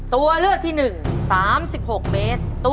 ตัวเลือกที่สาม๔๐เมตรครับ